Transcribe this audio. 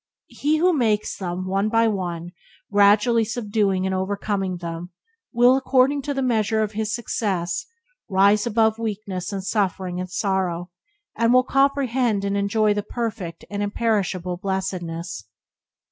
He who makes them, one by one, gradually subduing and overcoming them, will, according to the measure of his success, rise above weakness and suffering and sorrow, and will comprehend and enjoy the perfect and imperishable blessedness.